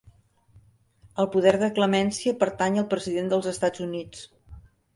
El poder de clemència pertany al president dels Estats Units.